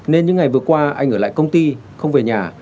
nên những ngày vừa qua anh ở lại công ty không về nhà